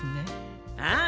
ああ。